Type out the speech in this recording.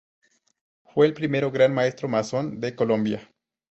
Fue el primer gran maestro masón de Colombia.